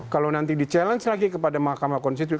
kalau nanti di challenge lagi kepada mahkamah konstitusi